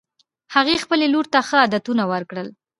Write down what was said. هغې خپلې لور ته ښه عادتونه ورکړي